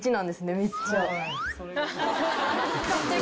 めっちゃ。